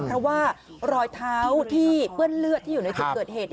เพราะว่ารอยเท้าพื้นเลือดที่อยู่ในตรวจเกิดเหตุ